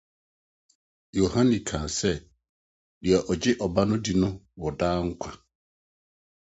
Yohane kae sɛ: “ Nea ogye Ɔba no di no wɔ daa nkwa